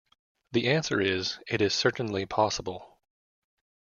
The answer is - it is certainly possible.